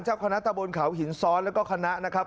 เจ้าคณะตะบนเขาหินซ้อนแล้วก็คณะนะครับ